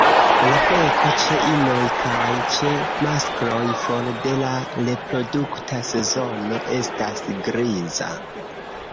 La beko ĉe inoj kaj ĉe maskloj for de la reprodukta sezono estas griza.